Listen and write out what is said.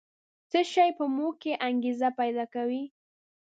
څه شی په موږ کې انګېزه پیدا کوي؟